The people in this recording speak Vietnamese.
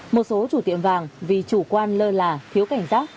một số chủ tiệm vàng vì chủ quan lơ là thiếu cảnh giác